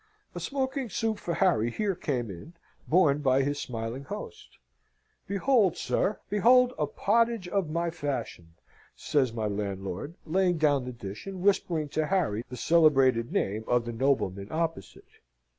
A smoking soup for Harry here came in, borne by the smiling host. "Behold, sir! Behold a potage of my fashion!" says my landlord, laying down the dish and whispering to Harry the celebrated name of the nobleman opposite.